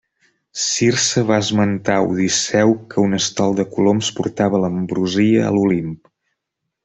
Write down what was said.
Circe va esmentar a Odisseu que un estol de coloms portava l'ambrosia a l'Olimp.